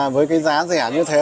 với cái giá rẻ như thế